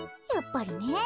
やっぱりね。